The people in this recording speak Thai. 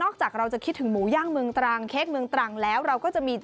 จากเราจะคิดถึงหมูย่างเมืองตรังเค้กเมืองตรังแล้วเราก็จะมี